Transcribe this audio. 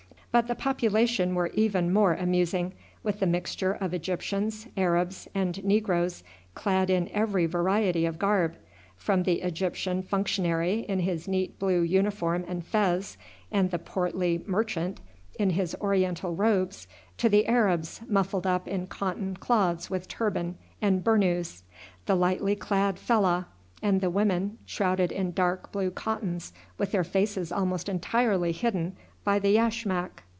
But the population were even more amusing, with the mixture of Egyptians, Arabs, and Negroes clad in every variety of garb: from the Egyptian functionary in his neat blue uniform and fez, and the portly merchant in his oriental robes, to the Arabs muffled up in cotton cloths with turban and bernous, the lightly clad Fellah, and the women shrouded in dark blue cottons with their faces almost entirely hidden by the yashmack.